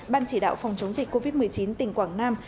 ban chỉ đạo phòng chống dịch covid một mươi chín tỉnh quảng nam